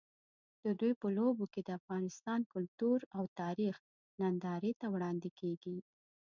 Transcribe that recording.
د دوی په لوبو کې د افغانستان کلتور او تاریخ نندارې ته وړاندې کېږي.